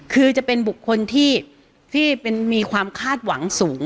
คือจะเป็นบุคคลที่มีความคาดหวังสูง